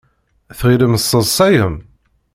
Tɣilem tesseḍsayem?